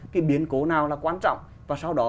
cái biến cố nào là quan trọng và sau đó